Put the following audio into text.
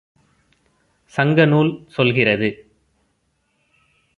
சங்க நூல் சொல்கிறது.